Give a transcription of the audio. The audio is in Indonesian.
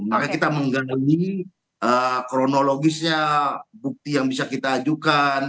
maka kita menggali kronologisnya bukti yang bisa kita ajukan